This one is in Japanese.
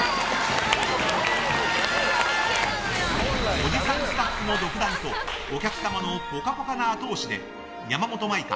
おじさんスタッフの独断とお客様のぽかぽかな後押しで山本舞香